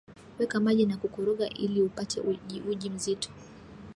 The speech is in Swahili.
weka maji na kukoroga iliupate ujiuji mzito